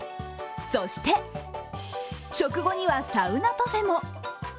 そして食後にはサウナパフェも。